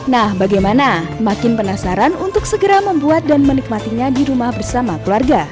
nah bagaimana makin penasaran untuk segera membuat dan menikmatinya di rumah bersama keluarga